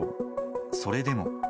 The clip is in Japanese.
それでも。